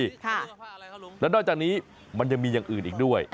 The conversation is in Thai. ค่ะแล้วนอกจากนี้มันยังมีอย่างอื่นอีกด้วย